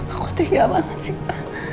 aku tega banget sih